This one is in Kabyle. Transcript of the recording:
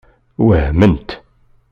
Wehment.